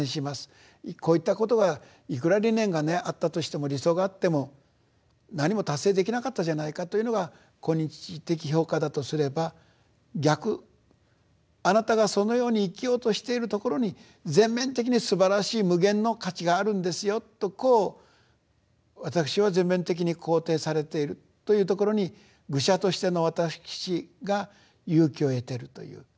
こういったことがいくら理念がねあったとしても理想があっても何も達成できなかったじゃないかというのが今日的評価だとすれば逆あなたがそのように生きようとしているところに全面的にすばらしい無限の価値があるんですよとこう私は全面的に肯定されているというところに愚者としての私が勇気を得てるという。